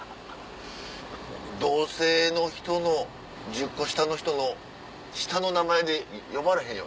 同性の人の１０個下の人の下の名前で呼ばれへんよね。